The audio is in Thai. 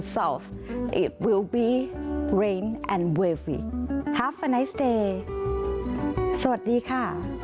สวัสดีค่ะ